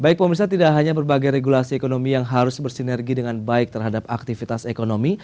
baik pemerintah tidak hanya berbagai regulasi ekonomi yang harus bersinergi dengan baik terhadap aktivitas ekonomi